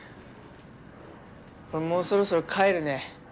俺もうそろそろ帰るね